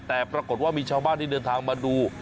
แต่ปรากฏว่ามีชาวบ้านที่เดินทางมาดู